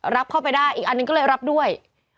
รับเข้าไปได้อีกอันหนึ่งก็เลยรับด้วย